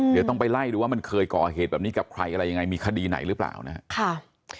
เดี๋ยวต้องไปไล่ดูว่ามันเคยก่อเหตุแบบนี้กับใครอะไรยังไงมีคดีไหนหรือเปล่านะครับ